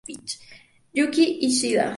Yuki Ishida